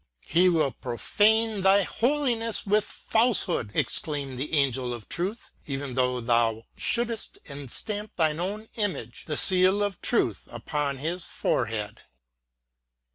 " He will profane Thy Holiness with falsehood," exclaimed the angel of Truth, " even though Thou shouldst enstamp Thine own image — the seal of truth — upon his forehead."